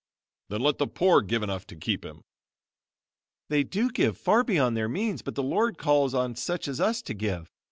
"Then let the poor give enough to keep him." "They do give far beyond their means but the Lord calls on such as us to give.